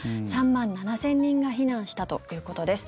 ３万７０００人が避難したということです。